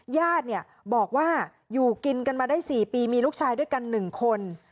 ญาติบอกว่าอยู่กินกันมาได้๔ปีมีลูกชายด้วยกัน๑คน